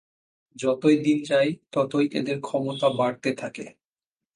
যতই দিন যায় ততই এদের ক্ষমতা বাড়তে থাকে।